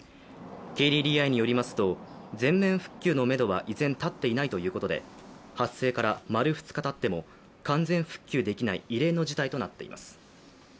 ＫＤＤＩによりますと全面復旧のめどは依然立っていないということで発生から丸２日たっても完全復旧できない異例の事態となっています。